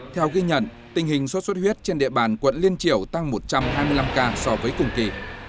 theo ghi nhận tình hình sốt xuất huyết trên địa bàn quận liên triểu tăng một trăm hai mươi năm ca so với cùng kỳ